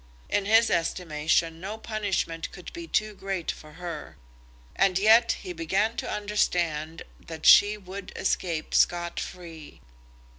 In his estimation no punishment could be too great for her, and yet he began to understand that she would escape scot free!